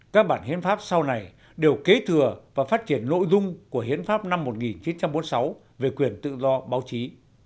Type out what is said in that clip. các bản hiến pháp sau này đều kế thừa và phát triển nội dung của hiến pháp năm một nghìn chín trăm bốn mươi sáu về quyền tự do báo chí